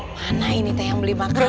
mana ini teh yang beli makan